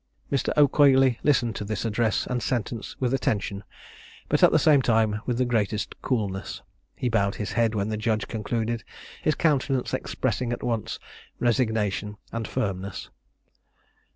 Mr. O'Coigley listened to this address and sentence with attention, but at the same time with the greatest coolness. He bowed his head when the judge concluded, his countenance expressing at once resignation and firmness.